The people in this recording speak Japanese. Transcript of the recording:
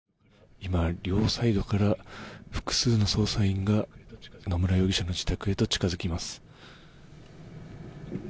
今、両サイドから複数の捜査員が野村容疑者の自宅へと近づきます。